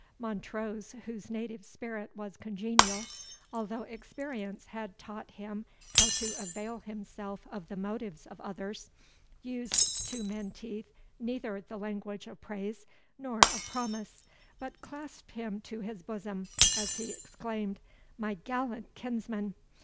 Montrose, whose native spirit was congenial, although experience had taught him how to avail himself of the motives of others, used to Menteith neither the language of praise nor of promise, but clasped him to his bosom as he exclaimed, "My gallant kinsman!"